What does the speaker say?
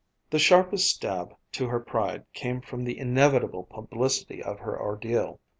The sharpest stab to her pride came from the inevitable publicity of her ordeal.